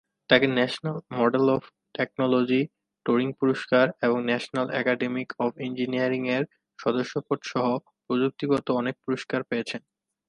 তাকে national medal of technology, Turing পুরস্কার এবং ন্যাশনাল অ্যাকাডেমি অফ ইঞ্জিনিয়ারিং এর সদস্যপদ সহ প্রযুক্তিগত অনেক পুরস্কার পেয়েছেন।